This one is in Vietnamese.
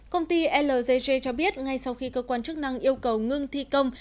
công ty lgg cho biết ngay sau khi cơ quan chức năng yêu cầu ngưng thi công